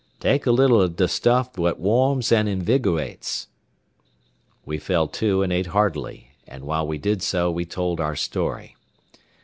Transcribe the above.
"Take a little o' de stuff what warms an' inwigerates." We fell to and ate heartily, and while we did so we told our story.